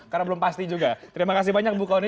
karena belum pasti juga terima kasih banyak bu kony